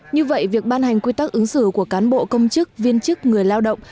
như vậy việc ban hành quy tắc ứng xử của cán bộ công chức viên chức người lao động